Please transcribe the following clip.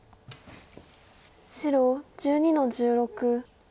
白１２の十六。